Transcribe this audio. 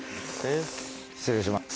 失礼します。